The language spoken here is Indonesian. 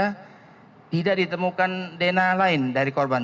kita periksa tidak ditemukan dna lain dari korban